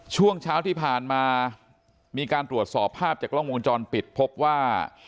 ช่วงเช้าที่ผ่านมามีการตรวจสอบภาพจากกล้องวงจรปิดพบว่า